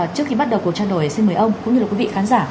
trước khi bắt đầu cuộc trả lời xin mời ông cũng như quý vị khán giả